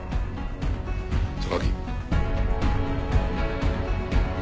榊。